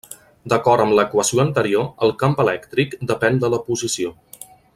D'acord amb l'equació anterior, el camp elèctric depèn de la posició.